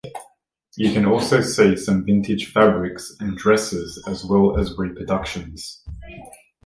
You can also see some vintage fabrics and dresses as well as reproductions.